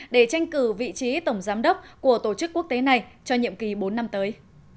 để tranh cử vị trí tổng giám đốc của tổ chức quốc tế này cho nhiệm kỳ bốn năm tới